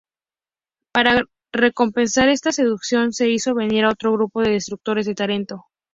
Para compensar esta reducción, se hizo venir a otro grupo de destructores de Tarento.